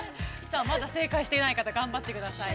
◆さあ、まだ正解していない方、頑張ってください。